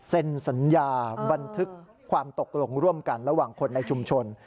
สัญญาบันทึกความตกลงร่วมกันระหว่างคนในชุมชน